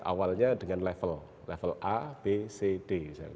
awalnya dengan level a b c d